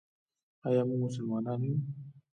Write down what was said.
آیا موږ مسلمانان یو؟